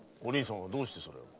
どうしてそれを？